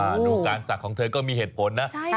ดูการศักดิ์ของเธอก็มีเหตุผลนะ